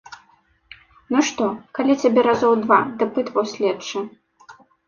Ну што, калі цябе разоў два дапытваў следчы?